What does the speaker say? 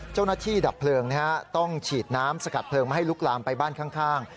เจ้าหน้าที่ดับเผลิงต้องฉีดน้ำสกัดเผลิงมาให้ลุกลามไปบ้านข้าง